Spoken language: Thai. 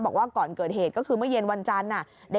บอกว่าก่อนเกิดเหตุก็คือเมื่อเย็นวันจันทร์